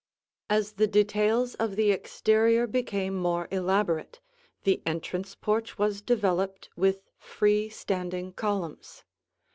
As the details of the exterior became more elaborate, the entrance porch was developed with free standing columns.